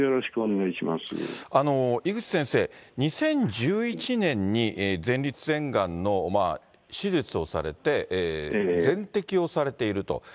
井口先生、２０１１年に前立腺がんの手術をされて、全摘をされていると。